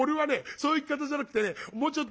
そういう聞き方じゃなくてねもうちょっと」。